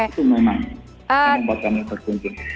itu memang yang membuat kami terkunci